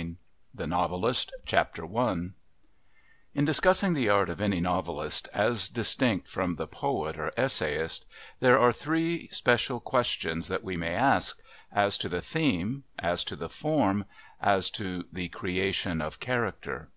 II THE NOVELIST I In discussing the art of any novelist as distinct from the poet or essayist there are three special questions that we may ask as to the Theme, as to the Form, as to the creation of Character.